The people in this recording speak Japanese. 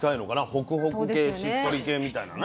ホクホク系しっとり系みたいなね。